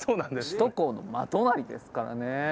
首都高の真隣ですからねえ。